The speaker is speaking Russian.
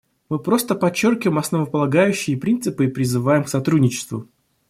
Мы просто подчеркиваем основополагающие принципы и призываем к сотрудничеству.